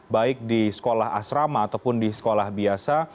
baik di sekolah asrama ataupun di sekolah biasa